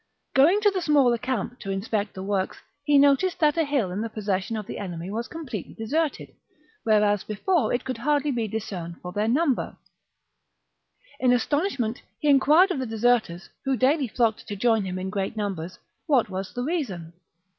Going to the smaller camp to bio^w/''*^ inspect the works, he noticed that a hill in the possession of the enemy was completely deserted. 240 THE REBELLION book 52 B.C. whereas before it could hardly be discerned for their number. In astonishment, he inquired of the deserters, who daily flocked to join him in great numbers, what was the reason.